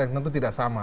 yang tentu tidak sama